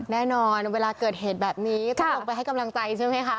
แน่นอนเวลาเกิดเหตุแบบนี้ต้องลงไปให้กำลังใจใช่ไหมคะ